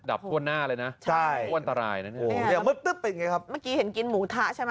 ดับทวนหน้าเลยนะทวนตรายนะเนี่ยเห็นกินหมูทะใช่ไหม